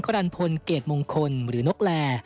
รันพลเกรดมงคลหรือนกแล